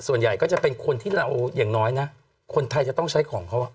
ส่วนใหญ่ก็จะเป็นคนที่เราอย่างน้อยนะคนไทยจะต้องใช้ของเขา